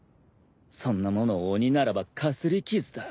そんなもの鬼ならばかすり傷だ。